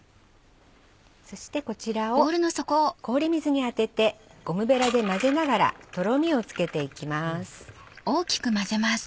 そしてこちらを氷水に当ててゴムベラで混ぜながらとろみをつけていきます。